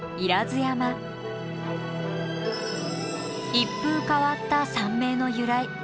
一風変わった山名の由来